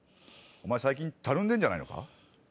お前最近たるんでんじゃないのか？